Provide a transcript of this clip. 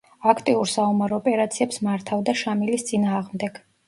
აქტიურ საომარ ოპერაციებს მართავდა შამილის წინააღმდეგ.